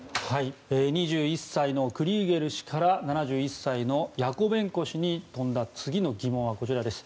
２１歳のクリーゲル氏から７１歳のヤコベンコ氏に飛んだ次の疑問はこちらです。